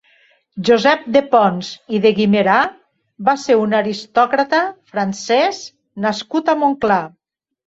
Josep de Pons i de Guimerá va ser un aristòcrata francès nascut a Montclar.